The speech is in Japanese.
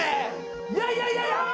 いやいやいやいや！